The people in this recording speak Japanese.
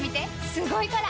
すごいから！